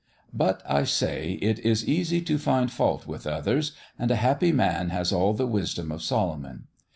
But I say, it is easy to find fault with others, and a happy man has all the wisdom of Solomon.